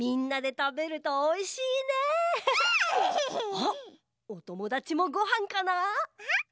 あおともだちもごはんかな？